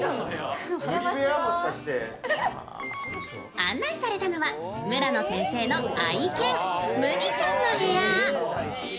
案内されたのは村野先生の愛犬・むぎちゃんの部屋。